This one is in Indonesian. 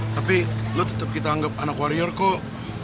tapi lo tetap kita anggap anak warrior kok